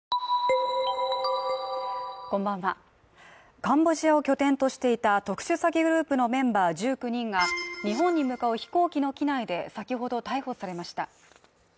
こんばんはカンボジアを拠点としていた特殊詐欺グループのメンバー１９人が日本に向かう飛行機の機内で先ほど逮捕されました。